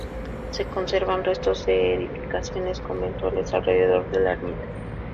Se conservan restos de edificaciones conventuales alrededor de la ermita.